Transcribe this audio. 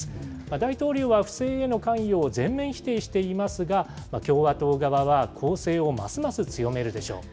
大統領は不正への関与を全面否定していますが、共和党側は、攻勢をますます強めるでしょう。